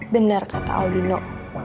benar kata aldino